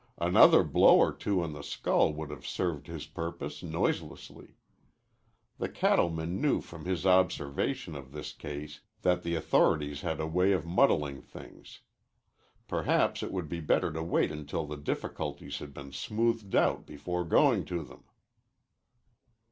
Another blow or two on the skull would have served his purpose noiselessly. The cattleman knew from his observation of this case that the authorities had a way of muddling things. Perhaps it would be better to wait until the difficulties had been smoothed out before going to them.